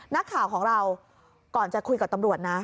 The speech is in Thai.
นักข่าวของเราก่อนจะคุยกับตำรวจนะ